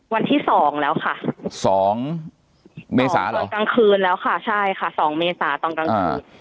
วันที่๒แล้วค่ะ๒เมษาตอนกลางคืนแล้วค่ะใช่ค่ะ๒เมษาตอนกลางคืน